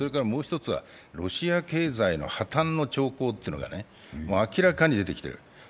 もう一つはロシア経済の破綻の兆候というのが明らかに出てきている。